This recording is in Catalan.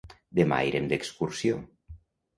Demà irem d'excursió.